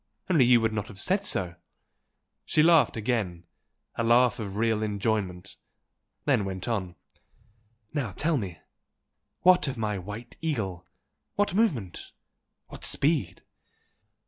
Only you would not have said so!" She laughed again, a laugh of real enjoyment, then went on "Now tell me what of my White Eagle? what movement? what speed?"